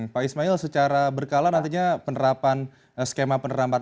pak ismail secara berkala nantinya penerapan skema penerapan